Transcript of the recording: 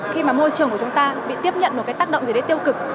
khi mà môi trường của chúng ta bị tiếp nhận một cái tác động gì đấy tiêu cực